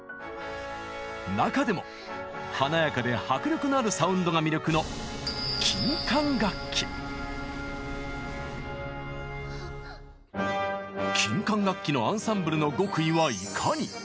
中でも華やかで迫力のあるサウンドが魅力の金管楽器のアンサンブルの極意はいかに？